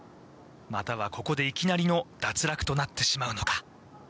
またはここでいきなりの脱落となってしまうのか？